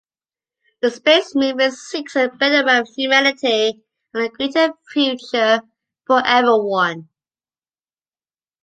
The space movement seeks the betterment of humanity and a greater future for everyone.